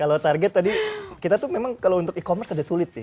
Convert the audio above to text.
kalau target tadi kita tuh memang kalau untuk e commerce ada sulit sih